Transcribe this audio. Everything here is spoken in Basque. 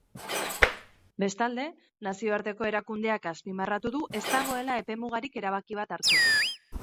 Bestalde, nazioarteko erakundeak azpimarratu du ez dagoela epemugarik erabaki bat hartzeko.